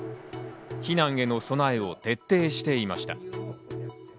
避難への備えを徹底していました。